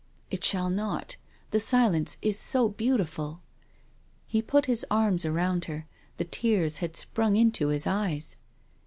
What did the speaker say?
" It shall not. The silence is so beautiful." He put his arms around her. Tiie tears had sprung into his eyes.